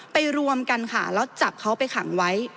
รวมกันค่ะแล้วจับเขาไปขังไว้